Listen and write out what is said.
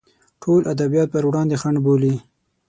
ټول ادبیات پر وړاندې خنډ بولي.